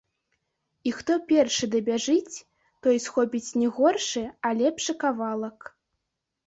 І хто першы дабяжыць, той схопіць не горшы, а лепшы кавалак.